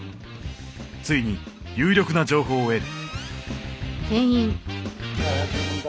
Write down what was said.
ついに有力な情報を得る。